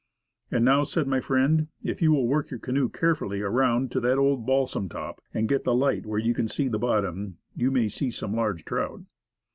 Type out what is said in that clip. "And now," said my friend, " if you will work your canoe carefully around to that old balsam top and get the light where you can see the bottom, you may see some large trout."